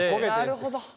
なるほど。